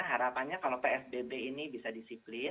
harapannya kalau psbb ini bisa disiplin